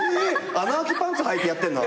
穴開きパンツはいてやってんのあれ。